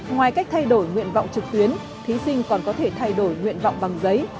ngoài cách thay đổi nguyện vọng trực tuyến thí sinh còn có thể thay đổi nguyện vọng bằng giấy